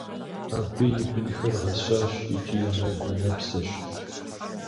Абы и бынхэр гъэсащ икӏи анэгу-анэпсэщ.